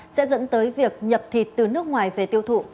sẽ dẫn tới việc nhập thịt từ nước ngoài về tiêu thụ